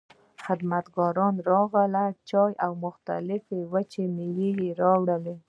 خدمتګاران راغلل، چای او مختلفې وچې مېوې يې راوړې.